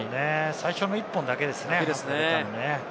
最初の１本だけですね。